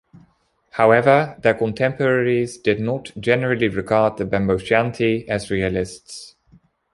However, their contemporaries did not generally regard the Bamboccianti as realists.